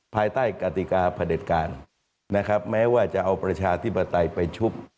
ภายใต้กติกาประเด็จการนะครับแม้ว่าจะเอาประชาธิปไตยไปชุบ